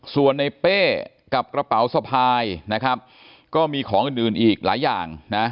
ส่วนในเป้กับกระเป๋าสะพายนะครับก็มีของอื่นอีกหลายอย่างนะ